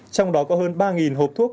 trong đó có hơn ba hộp thuốc